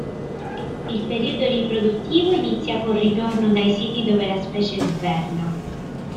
Il periodo riproduttivo inizia col ritorno dai siti dove la specie sverna.